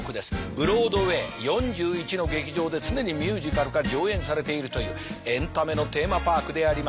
ブロードウェイ４１の劇場で常にミュージカルが上演されているというエンタメのテーマパークであります。